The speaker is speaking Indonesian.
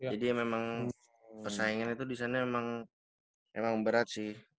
jadi emang persaingan itu disana emang emang berat sih